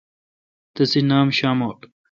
تسے نام شاموٹ۔